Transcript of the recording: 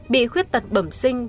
bị khuyết tật bẩm sinh